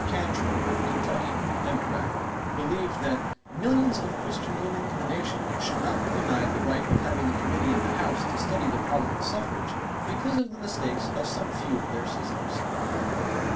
Cantrill of Kentucky, Democrat, believed that "millions of Christian women in the nation should not be denied the right of having a Committee in the House to study the problem of suffrage because of the mistakes of some few of their sisters."